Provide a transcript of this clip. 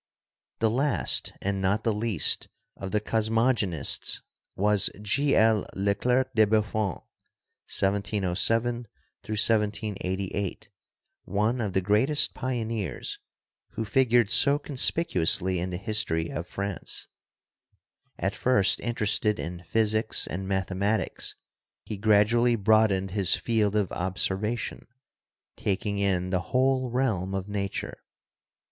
The last and not the least of the cosmogonists was G. L. Leclerc de Buffon (1707 1788), one of the greatest pioneers, who figured so conspicuously in the history of France. At first interested in Physics and Mathematics, he gradually broadened his field of observation, taking in the whole realm of Nature.